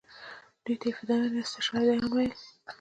دوی ته یې فدایان یا استشهادیان ویل.